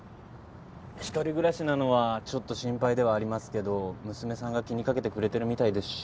１人暮らしなのはちょっと心配ではありますけど娘さんが気にかけてくれてるみたいですし。